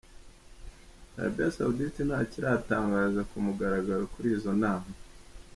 Arabie Saoudite ntacyo iratangaza ku mugaragaro kuri izo nama.